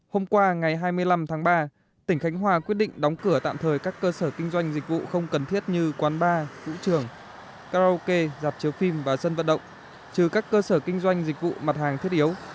hôm qua ngày hai mươi năm tháng ba tỉnh khánh hòa quyết định đóng cửa tạm thời các cơ sở kinh doanh dịch vụ không cần thiết như quán bar vũ trường karaoke giạp chiếu phim và sân vận động trừ các cơ sở kinh doanh dịch vụ mặt hàng thiết yếu